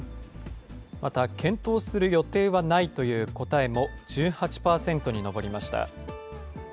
また検討する予定はないという答えも１８％に上りました。